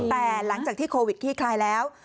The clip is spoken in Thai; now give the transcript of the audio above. แต่หลังจากที่โควิดขี้คลายแล้ว